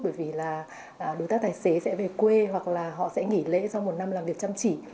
bởi vì là đối tác tài xế sẽ về quê hoặc là họ sẽ nghỉ lễ sau một năm làm việc chăm chỉ